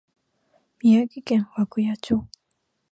宮城県涌谷町